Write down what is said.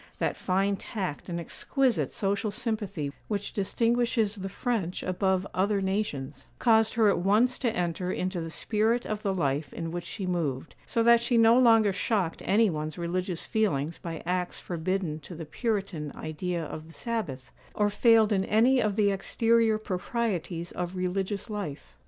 That fine tact and exquisite social sympathy which distinguishes the French above other nations, caused her at once to enter into the spirit of the life in which she moved; so that she no longer shocked any one's religious feelings by acts forbidden to the Puritan idea of the sabbath, or failed in any of the exterior proprieties of religious life.